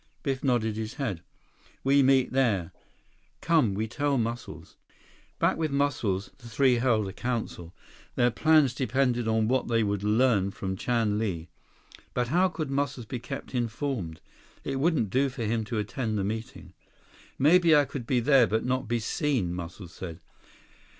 Biff nodded his head. "We meet there. Come, we tell Muscles." Back with Muscles, the three held a council. Their plans depended on what they would learn from Chan Li. But how could Muscles be kept informed? It wouldn't do for him to attend the meeting. "Maybe I could be there but not be seen," Muscles said.